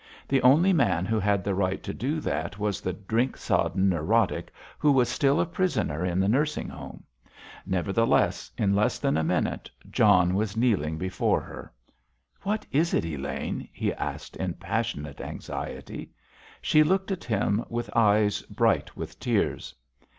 The only man who had the right to do that was the drink sodden neurotic, who was still a prisoner in the nursing home. Nevertheless, in less than a minute John was kneeling before her. "What is it, Elaine?" he asked in passionate anxiety. She looked at him with eyes bright with tears.